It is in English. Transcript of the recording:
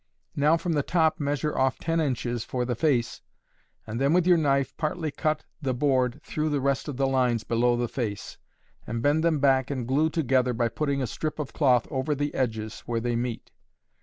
Now from the top measure off ten inches for the face, and then with your knife partly cut the board through the rest of the lines below the face, and bend them back and glue together by putting a strip of cloth over the edges where they meet.